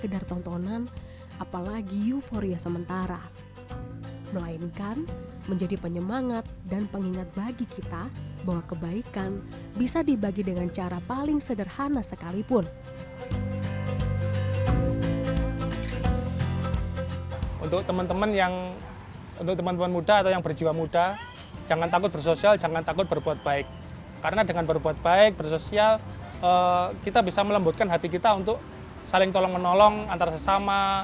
dengan berbuat baik bersosial kita bisa melembutkan hati kita untuk saling tolong menolong antara sesama